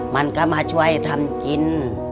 มันก็มาช่วยทำกิน